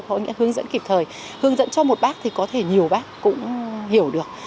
họ đã hướng dẫn kịp thời hướng dẫn cho một bác thì có thể nhiều bác cũng hiểu được